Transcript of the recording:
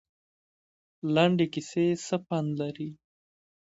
لنډې کیسې څه پند لري؟